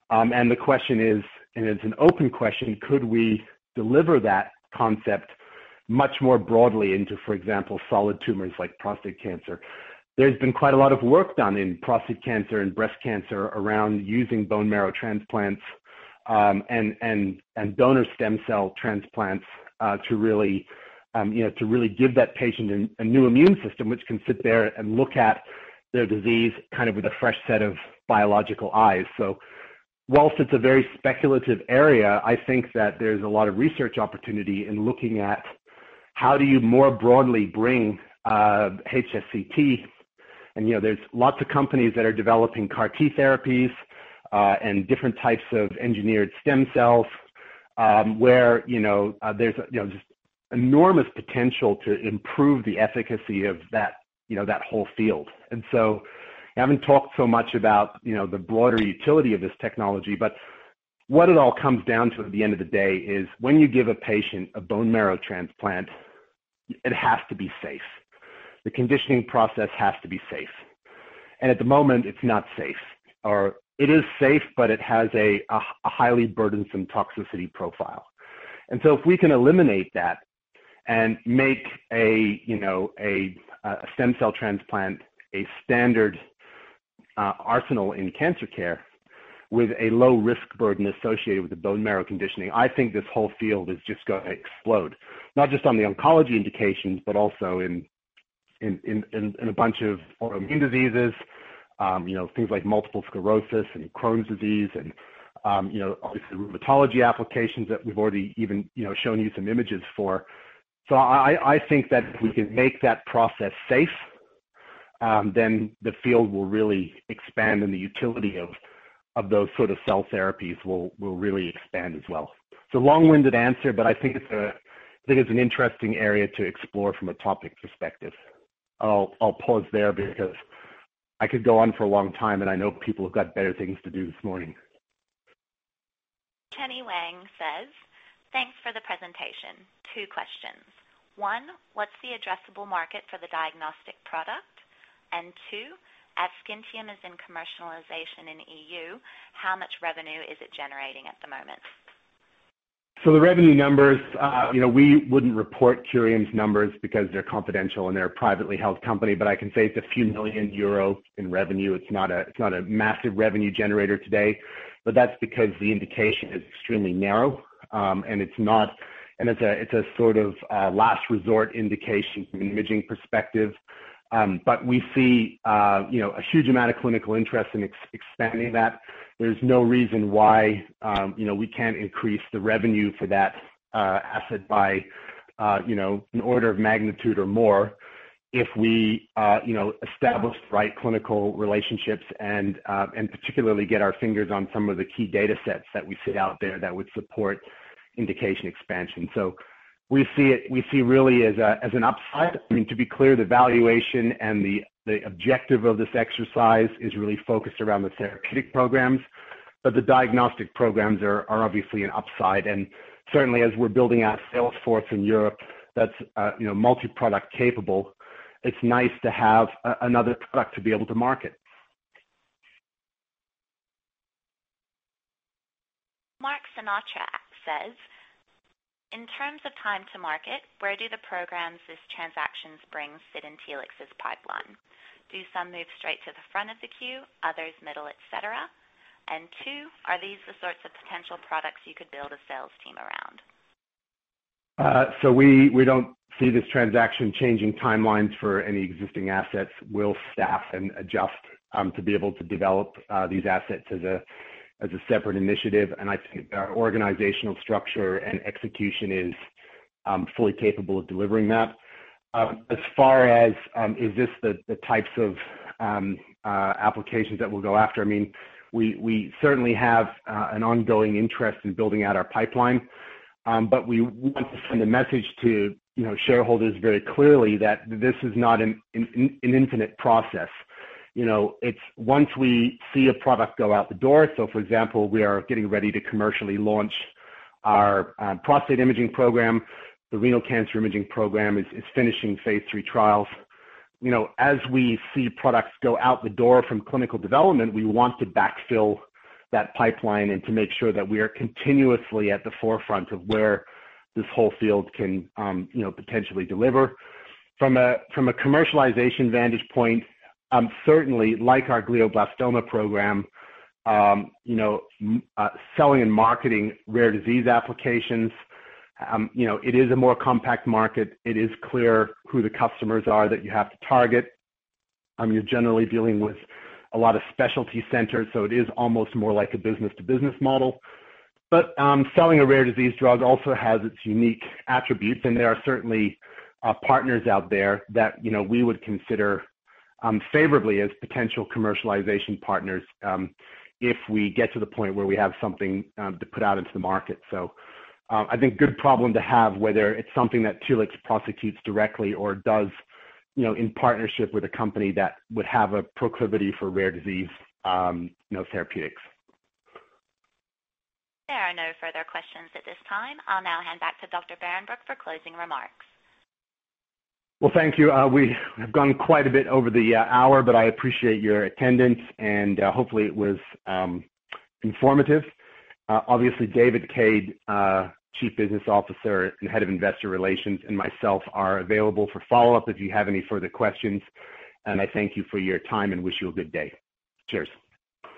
The question is, and it's an open question, could we deliver that concept much more broadly into, for example, solid tumors like prostate cancer? There's been quite a lot of work done in prostate cancer and breast cancer around using bone marrow transplants, and donor stem cell transplants to really give that patient a new immune system, which can sit there and look at their disease kind of with a fresh set of biological eyes. Whilst it's a very speculative area, I think that there's a lot of research opportunity in looking at how do you more broadly bring HSCT. There's lots of companies that are developing CAR T therapies, and different types of engineered stem cells, where there's just enormous potential to improve the efficacy of that whole field. I haven't talked so much about the broader utility of this technology, but what it all comes down to at the end of the day is when you give a patient a bone marrow transplant, it has to be safe. The conditioning process has to be safe. At the moment, it's not safe, or it is safe, but it has a highly burdensome toxicity profile. If we can eliminate that and make a stem cell transplant a standard arsenal in cancer care with a low risk burden associated with the bone marrow conditioning, I think this whole field is just going to explode. Not just on the oncology indications, but also in a bunch of autoimmune diseases, things like multiple sclerosis and Crohn's disease, and obviously the rheumatology applications that we've already even shown you some images for. I think that if we can make that process safe, then the field will really expand, and the utility of those sort of cell therapies will really expand as well. It's a long-winded answer, but I think it's an interesting area to explore from a topic perspective. I'll pause there because I could go on for a long time, and I know people have got better things to do this morning. Chenny Wang says, "Thanks for the presentation. Two questions. One, what's the addressable market for the diagnostic product? Two, as Scintimun is in commercialization in EU, how much revenue is it generating at the moment? The revenue numbers, we wouldn't report Curium's numbers because they're confidential and they're a privately held company, but I can say it's a few million EUR in revenue. It's not a massive revenue generator today, but that's because the indication is extremely narrow, and it's a sort of last resort indication from an imaging perspective. We see a huge amount of clinical interest in expanding that. There's no reason why we can't increase the revenue for that asset by an order of magnitude or more if we establish the right clinical relationships and particularly get our fingers on some of the key data sets that we see out there that would support indication expansion. We see it really as an upside. I mean, to be clear, the valuation and the objective of this exercise is really focused around the therapeutic programs, but the diagnostic programs are obviously an upside. Certainly as we're building out sales force in Europe, that's multi-product capable, it's nice to have another product to be able to market. In terms of time to market, where do the programs this transaction brings fit in Telix's pipeline? Do some move straight to the front of the queue, others middle, et cetera? Two, are these the sorts of potential products you could build a sales team around? We don't see this transaction changing timelines for any existing assets. We'll staff and adjust to be able to develop these assets as a separate initiative, and I think our organizational structure and execution is fully capable of delivering that. As far as is this the types of applications that we'll go after, I mean, we certainly have an ongoing interest in building out our pipeline, but we want to send a message to shareholders very clearly that this is not an infinite process. Once we see a product go out the door, so for example, we are getting ready to commercially launch our prostate imaging program, the renal cancer imaging program is finishing phase III trials. As we see products go out the door from clinical development, we want to backfill that pipeline and to make sure that we are continuously at the forefront of where this whole field can potentially deliver. From a commercialization vantage point, certainly like our glioblastoma program, selling and marketing rare disease applications, it is a more compact market. It is clear who the customers are that you have to target. You're generally dealing with a lot of specialty centers, so it is almost more like a business-to-business model. Selling a rare disease drug also has its unique attributes, and there are certainly partners out there that we would consider favorably as potential commercialization partners if we get to the point where we have something to put out into the market. I think good problem to have, whether it's something that Telix prosecutes directly or does in partnership with a company that would have a proclivity for rare disease therapeutics. There are no further questions at this time. I'll now hand back to Dr. Behrenbruch for closing remarks. Well, thank you. We have gone quite a bit over the hour, but I appreciate your attendance and hopefully it was informative. Obviously, David Cade, Chief Business Officer and Head of Investor Relations, and myself are available for follow-up if you have any further questions. I thank you for your time and wish you a good day. Cheers.